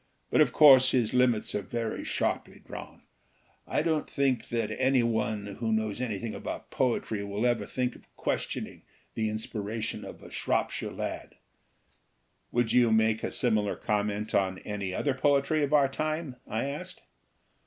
But, of course, his limits are very sharply drawn. I don't think that any one who knows anything about poetry will ever think of questioning the inspiration of A Shropshire Lad." "Would you make a similar comment on any other poetry of our time?" I asked.